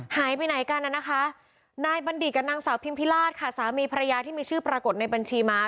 หายไปไหนกันน่ะนะคะนายบัณฑิตกับนางสาวพิมพิราชค่ะสามีภรรยาที่มีชื่อปรากฏในบัญชีม้า